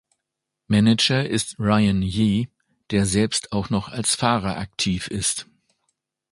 Manager ist Ryan Yee, der selbst auch noch als Fahrer aktiv ist.